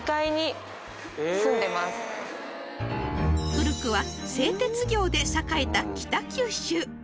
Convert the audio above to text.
［古くは製鉄業で栄えた北九州］